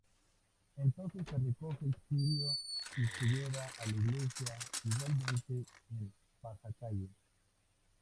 Entonces se recoge el cirio y se lleva a la iglesia igualmente en pasacalle.